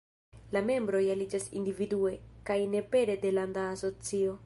La membroj aliĝas individue, kaj ne pere de landa asocio.